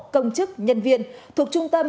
công chức nhân viên thuộc trung tâm